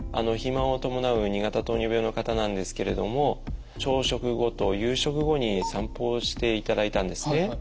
肥満を伴う２型糖尿病の方なんですけれども朝食後と夕食後に散歩をしていただいたんですね。